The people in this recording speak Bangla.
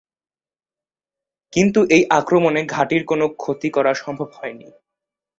কিন্তু এই আক্রমণে ঘাঁটির কোন ক্ষতি করা সম্ভব হয়নি।